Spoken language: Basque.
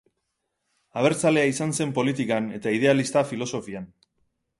Abertzalea izan zen politikan, eta idealista filosofian.